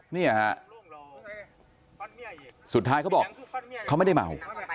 นี่เหรอครับสุดท้ายเขาบอกเขาไม่ได้เมา